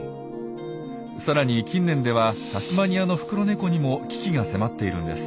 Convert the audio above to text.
さらに近年ではタスマニアのフクロネコにも危機が迫っているんです。